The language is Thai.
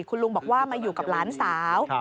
คุณลุงบอกว่ามาอยู่กับหลานสาว